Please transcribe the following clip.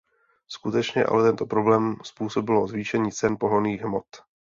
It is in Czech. Skutečně ale tento problém způsobilo zvýšení cen pohonných hmot?